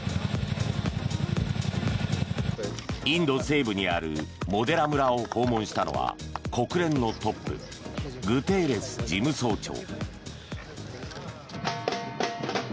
インド西部にあるモデラ村を訪問したのは国連のトップグテーレス事務総長。